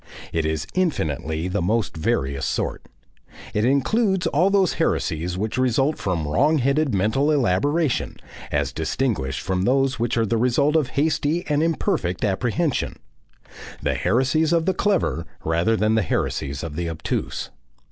It is infinitely the most various sort. It includes all those heresies which result from wrong headed mental elaboration, as distinguished from those which are the result of hasty and imperfect apprehension, the heresies of the clever rather than the heresies of the obtuse.